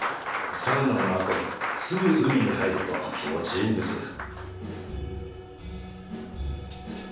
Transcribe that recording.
サウナのあとすぐ海に入ると気持ちいいんです。